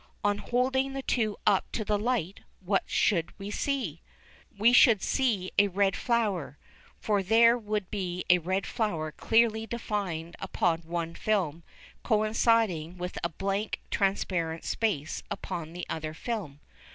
On holding the two up to the light, what should we see? We should see a red flower, for there would be a red flower clearly defined upon one film coinciding with a blank transparent space upon the other film.